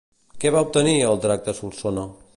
Què va obtenir el drac de Solsona?